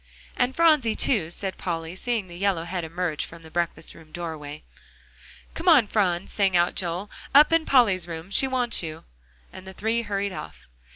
"And Phronsie, too," said Polly, seeing the yellow head emerge from the breakfast room doorway. "Come on, Phron," sang out Joel, "up in Polly's room she wants you," and the three hurried off.